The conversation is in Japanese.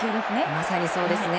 まさにそうですね。